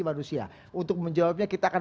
manusia untuk menjawabnya kita akan